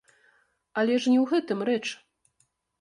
Але ж не ў гэтым рэч.